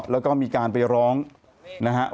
แล้วก็มีการไปร้องนะฮะ